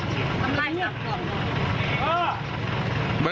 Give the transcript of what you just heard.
ทำได้รังป่อน